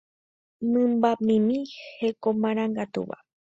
mymbamimi hekomarangatúva